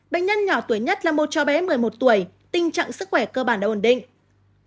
bệnh nhân nhỏ tuổi nhất là một cháu bé một mươi một tuổi tình trạng sức khỏe cơ bản đã ổn định